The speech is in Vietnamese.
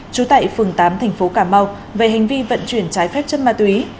trú tại phường tám tp cà mau về hành vi vận chuyển trái phép chất ma túy